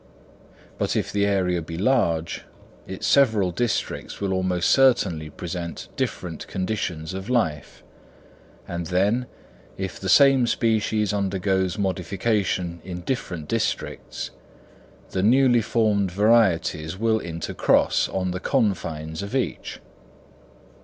But if the area be large, its several districts will almost certainly present different conditions of life; and then, if the same species undergoes modification in different districts, the newly formed varieties will intercross on the confines of each.